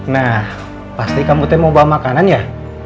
nah pasti kamu mau bawa makanan ya